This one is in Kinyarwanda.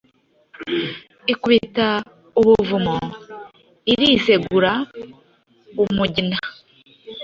Ikubita ubuvumo irisegura.umugina